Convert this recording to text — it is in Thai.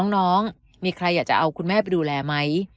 น้องมีใครอยากจะเอาคุณแม่ไปดูแลไหม